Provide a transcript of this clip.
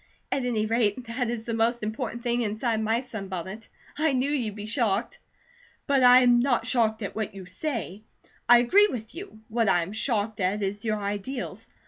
At any rate, that is the most important thing inside my sunbonnet. I knew you'd be shocked." "But I am not shocked at what you say, I agree with you. What I am shocked at is your ideals.